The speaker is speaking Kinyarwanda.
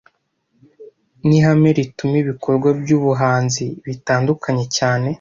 Nihame rituma ibikorwa byubuhanzi bitandukanye cyane